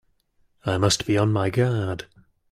I must be on my guard!